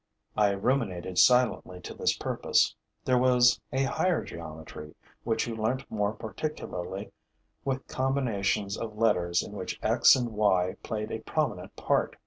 I ruminated silently to this purpose: there was a higher geometry, which you learnt more particularly with combinations of letters in which x and y played a prominent part.